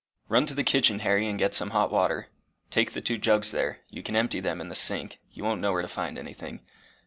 "Run to the kitchen, Harry, and get some hot water. Take the two jugs there you can empty them in the sink: you won't know where to find anything.